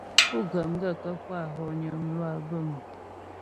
Pú ghə̀ m gaə̂kə́ pú a hɔgnə mlwâ bə̂m ?